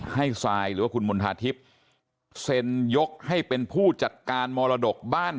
ให้สายหรือว่าขุนมณธธิพยกให้เป็นผู้จัดการมรดกบ้าน